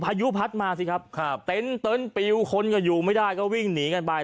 พายุพัดมาสิครับครับเต็นต์ปิวคนก็อยู่ไม่ได้ก็วิ่งหนีกันไป